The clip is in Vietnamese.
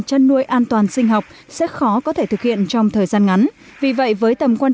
chăn nuôi an toàn sinh học sẽ khó có thể thực hiện trong thời gian ngắn vì vậy với tầm quan